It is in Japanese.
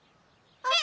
あれ？